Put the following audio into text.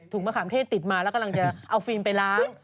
มะขามเทศติดมาแล้วกำลังจะเอาฟิล์มไปล้าง